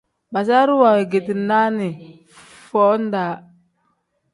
Basaru wengeti naani foo-daa.